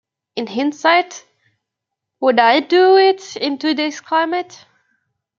In hindsight, would I do it in today's climate?